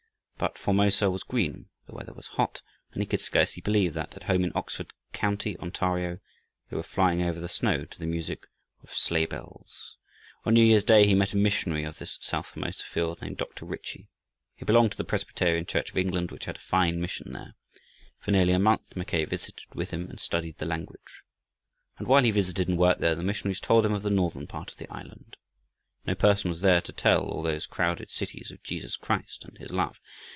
But Formosa was green, the weather was hot, and he could scarcely believe that, at home in Oxford county, Ontario, they were flying over the snow to the music of sleigh bells. On New Year's day he met a missionary of this south Formosa field, named Dr. Ritchie. He belonged to the Presbyterian Church of England, which had a fine mission there. For nearly a month Mackay visited with him and studied the language. And while he visited and worked there the missionaries told him of the northern part of the island. No person was there to tell all those crowded cities of Jesus Christ and His love.